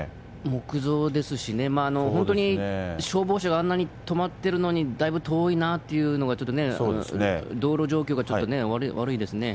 木造ですしね、本当に消防車があんなに止まっているのに、だいぶ遠いなというのがちょっとね、道路状況がちょっとね、悪いですね。